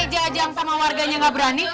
masa pak r t aja yang sama warganya nggak berani